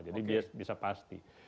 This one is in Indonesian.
jadi bisa pasti